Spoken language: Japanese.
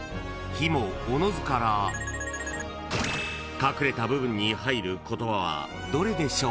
［隠れた部分に入る言葉はどれでしょう？］